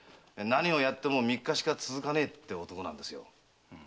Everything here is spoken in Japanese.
何をやっても三日しか続かねえって男なんですよ。